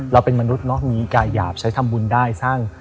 เราเป็นมนุษย์เนอะมีกายหยาบใช้ทำบุญได้สร้าง